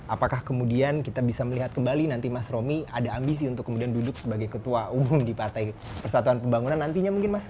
apakah kemudian kita bisa melihat kembali nanti mas romi ada ambisi untuk kemudian duduk sebagai ketua umum di partai persatuan pembangunan nantinya mungkin mas